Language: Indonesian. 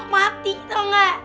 mati gitu gak